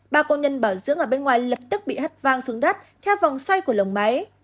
ba công nhân bảo dưỡng ở bên ngoài lập tức bị hất vang xuống đất theo vòng xoay của lồng máy